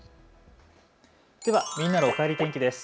では、みんなのおかえり天気です。